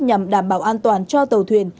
nhằm đảm bảo an toàn cho tàu thuyền